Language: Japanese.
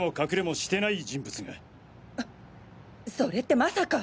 それってまさか。